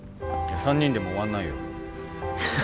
３人でも終わんないよ。